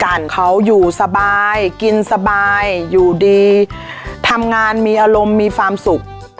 เขาอยู่สบายกินสบายอยู่ดีทำงานมีอารมณ์มีความสุข